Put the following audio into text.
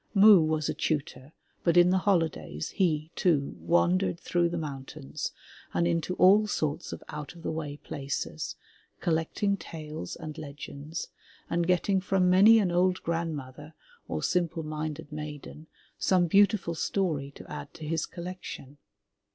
Moe was a tutor, but in the holidays he, too, wandered through the mountains and into all sorts of out of the way places, collecting tales and legends, and getting from many an old grandmother or simple 32 THE LATCH KEY minded maiden, some beautiful story to add to his collection.